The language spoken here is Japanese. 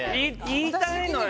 言いたいのよ